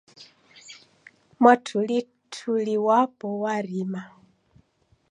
Mwatulituli wapu warima..